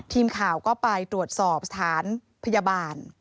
ทีมข่าวก็ไปตรวจสอบสถานพยาบาล